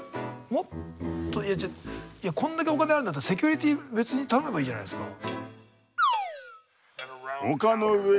もっとこんだけお金あるんだったらセキュリティー別に頼めばいいじゃないですか。